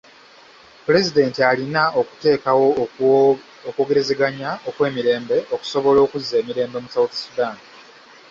Pulezidenti alina okuteekawo okwogerezeganya okw'emirembe okusobola okuzza emirembe mu South Sudan.